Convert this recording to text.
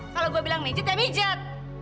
kalau gue bilang mijet ya mijet